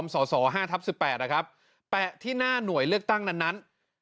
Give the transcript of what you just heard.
สส๕ทับ๑๘นะครับแปะที่หน้าหน่วยเลือกตั้งนั้น